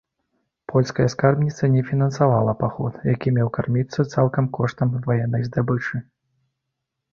Польская скарбніца не фінансавала паход, які меў карміцца цалкам коштам ваеннай здабычы.